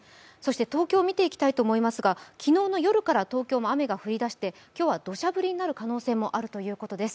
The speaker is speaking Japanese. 東京を見ていきたいと思いますが昨日夜から雨が降り出して今日は土砂降りになる可能性もあるということです。